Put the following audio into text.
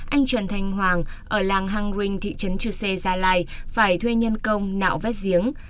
anh trần thanh hoàng ở làng hang rinh thị trấn chư sê gia lai phải thuê nhân công nạo vét giếng